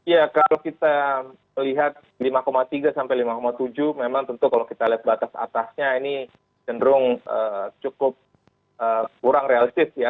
ya kalau kita lihat lima tiga sampai lima tujuh memang tentu kalau kita lihat batas atasnya ini cenderung cukup kurang realistis ya